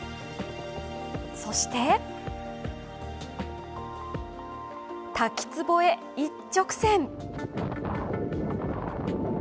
そして、滝つぼへ一直線。